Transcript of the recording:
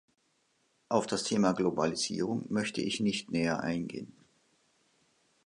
Auf das Thema Globalisierung möchte ich nicht näher eingehen.